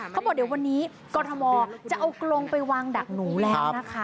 เขาบอกเดี๋ยววันนี้กรทมจะเอากรงไปวางดักหนูแล้วนะคะ